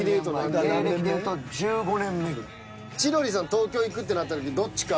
東京行くってなった時どっちか。